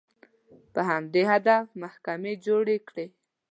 په همدې هدف محکمې جوړې کړې